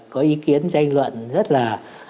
có ý kiến tranh luận rất là